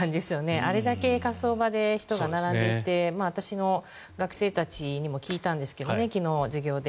あれだけ火葬場で人が並んでいて私の学生たちにも聞いたんですけど昨日、授業で。